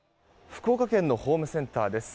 福岡県のホームセンターです。